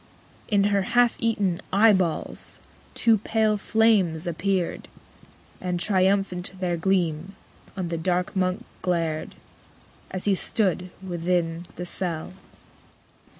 In her half eaten eyeballs two pale flames appeared, And triumphant their gleam on the dark Monk glared, As he stood within the cell.